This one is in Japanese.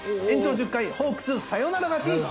「延長１０回ホークスサヨナラ勝ち！！」。